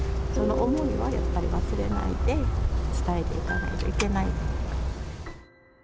その思いはやっぱり忘れないで、伝えていかないといけない。